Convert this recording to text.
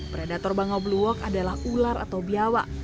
predator bangau blue walk adalah ular atau biawak